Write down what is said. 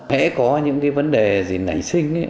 nếu có những vấn đề gì nảy sinh